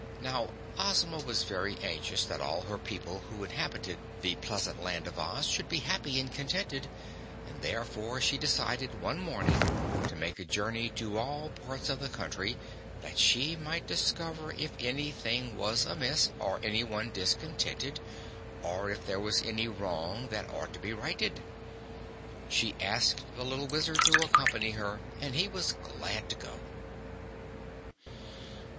Now, Ozma was very anxious that all her people who inhabited the pleasant Land of Oz should be happy and contented, and therefore she decided one morning to make a journey to all parts of the country, that she might discover if anything was amiss, or anyone discontented, or if there was any wrong that ought to be righted. She asked the little Wizard to accompany her and he was glad to go.